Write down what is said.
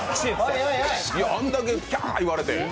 あんだけキャー言われて。